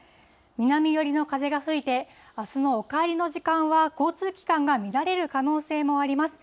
南寄りの風が吹いて、あすのお帰りの時間は、交通機関が乱れる可能性もあります。